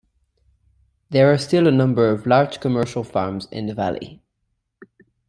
There are still a number of large commercial farms in the valley.